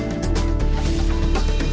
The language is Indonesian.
ndak ku ngerti dia